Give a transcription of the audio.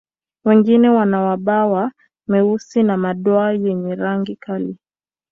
Wengine wana mabawa meusi na madoa wenye rangi kali.